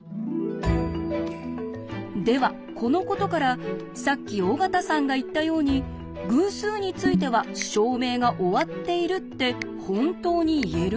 ではこのことからさっき尾形さんが言ったように「偶数については証明が終わっている」って本当に言えるんでしょうか？